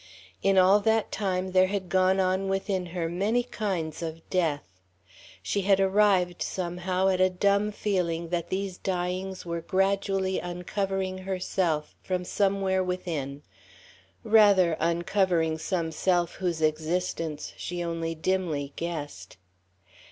In all that time there had gone on within her many kinds of death. She had arrived somehow at a dumb feeling that these dyings were gradually uncovering her self from somewhere within; rather, uncovering some self whose existence she only dimly guessed.